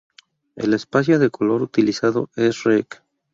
El espacio de color utilizado es Rec.